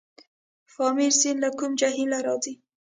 پامیر سیند له کوم جهیل راځي؟